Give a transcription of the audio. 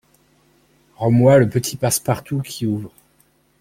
Rends-moi le petit passe-partout qui ouvre…